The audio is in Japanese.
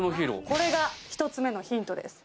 これが１つ目のヒントです。